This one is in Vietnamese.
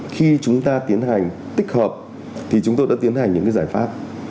khi chúng ta tiến hành tích hợp thì chúng tôi đã tiến hành những giải pháp